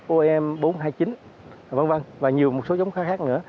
om bốn trăm hai mươi chín v v và nhiều một số giống khác nữa